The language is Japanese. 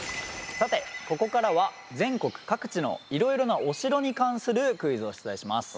さてここからは全国各地のいろいろなお城に関するクイズを出題します。